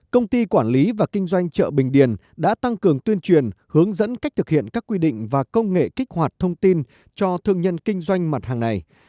công ty quản lý và kinh doanh chợ bình điền đã tăng cường tuyên truyền hướng dẫn cách thực hiện các quy định và công nghệ kích hoạt thông tin cho thương nhân kinh doanh mặt hàng này